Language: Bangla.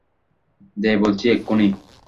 দে বলছি, এক্ষুনি।